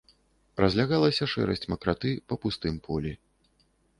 Разляглася шэрасць макраты па пустым полі.